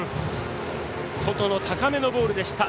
外の高めのボールでした。